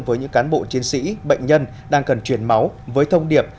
với những cán bộ chiến sĩ bệnh nhân đang cần chuyển máu với thông điệp